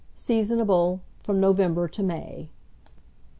Seasonable from November to May.